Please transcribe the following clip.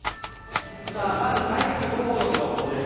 まず台風５号の情報です。